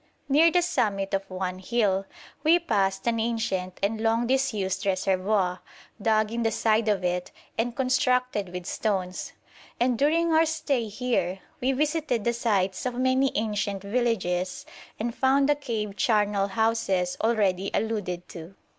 Near the summit of one hill we passed an ancient and long disused reservoir, dug in the side of it, and constructed with stones; and during our stay here we visited the sites of many ancient villages, and found the cave charnel houses already alluded to.